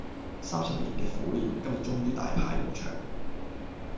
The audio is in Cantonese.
三十年嘅苦練，今日終於大派用場